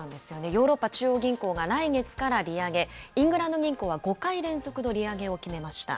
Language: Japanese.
ヨーロッパ中央銀行が来月から利上げ、イングランド銀行は５回連続の利上げを決めました。